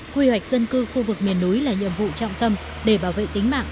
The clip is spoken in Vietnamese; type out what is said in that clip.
quy hoạch dân cư khu vực miền núi là nhiệm vụ trọng tâm để bảo vệ tính mạng